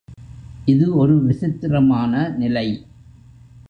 இது ஒரு விசித்திரமான நிலை.